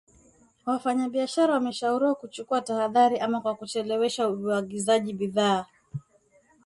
wafanyabiashara wameshauriwa kuchukua tahadhari ama kwa kuchelewesha uagizaji bidhaa au kutumia njia mbadala ya kati